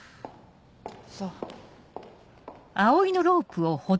そう。